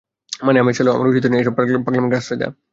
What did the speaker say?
মানে, আসলে, আমার উচিত হয়নি এসব পাগলামিকে প্রশ্রয় দেওয়া।